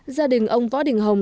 gia đình ông võ đình hồng